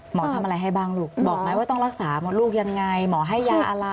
ทำอะไรให้บ้างลูกบอกไหมว่าต้องรักษามดลูกยังไงหมอให้ยาอะไร